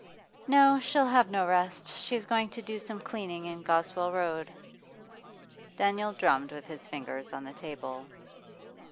'No, she'll have no rest. She's going to do some cleaning in Goswell Road.' Daniel drummed with his fingers on the table.